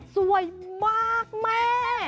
สวยมากแม่